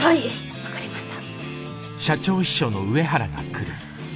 分かりました。